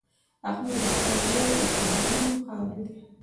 احمد د خپلې مور د قدمونو خاورې دی.